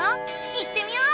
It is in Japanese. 行ってみよう！